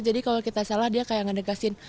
jadi kalau kita salah dia kayak ngedekasin